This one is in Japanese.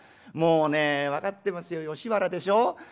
もうね分かってますよ吉原でしょ。